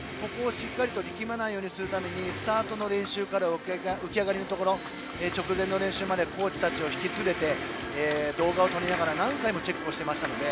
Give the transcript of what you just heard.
力まないようにするためにスタートの練習から浮き上がりのところ直前の練習までコーチたちを引き連れて動画を撮りながら何回もチェックしてましたので。